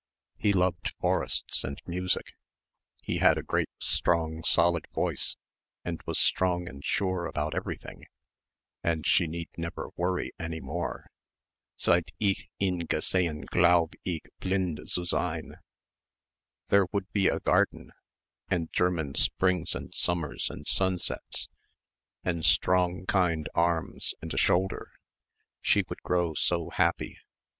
He loved forests and music. He had a great strong solid voice and was strong and sure about everything and she need never worry any more. "Seit ich ihn gesehen Glaub' ich blind zu sein." There would be a garden and German springs and summers and sunsets and strong kind arms and a shoulder. She would grow so happy.